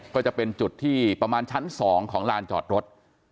ก็จะเป็นจุดที่ประมาณชั้น๒ของลานจอดรถ